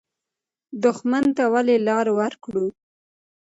دښمن ته ولې لار ورکړو؟